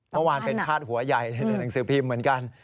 เมื่อวานเป็นพาดหัวใหญ่ในหนังสือพิมพ์เหมือนกัน